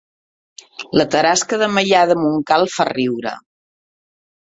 La tarasca de Maià de Montcal fa riure